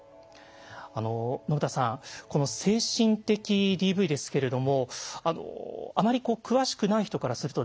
信田さんこの精神的ＤＶですけれどもあまり詳しくない人からするとですね